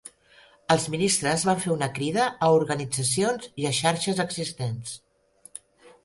Els ministres van fer una crida a organitzacions i a xarxes existents